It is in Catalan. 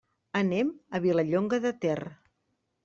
Anem a Vilallonga de Ter.